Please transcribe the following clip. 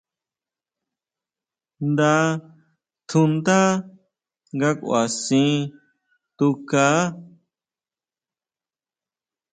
Nda tjundá nga kʼuasin tukaá.